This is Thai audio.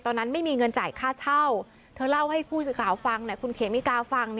ไม่มีเงินจ่ายค่าเช่าเธอเล่าให้ผู้สื่อข่าวฟังคุณเขมิกาฟัง